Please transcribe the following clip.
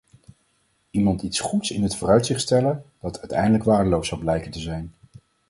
Iemand iets goeds in het vooruitzicht stellen, dat uiteindelijk waardeloos zal blijken te zijn.